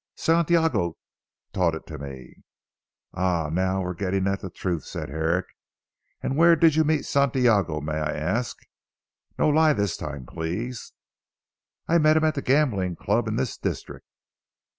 "Santiago taught it to me." "Ah! Now we are getting at the truth," said Herrick, "and where did you meet Santiago may I ask? No lie this time, please?" "I met him at the gambling club in this district."